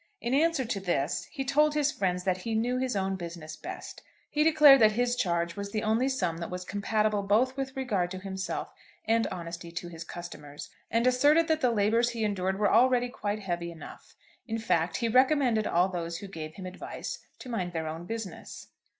In answer to this, he told his friends that he knew his own business best; he declared that his charge was the only sum that was compatible both with regard to himself and honesty to his customers, and asserted that the labours he endured were already quite heavy enough. In fact, he recommended all those who gave him advice to mind their own business.